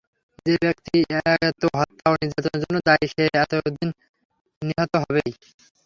যে ব্যক্তি এত হত্যা ও নির্যাতনের জন্য দায়ী সে একদিন নিহত হবেই।